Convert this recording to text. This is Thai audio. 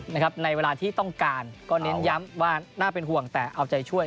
ในเวลาที่ต้องการก็เน้นย้ำว่าน่าเป็นห่วงแต่เอาใจช่วย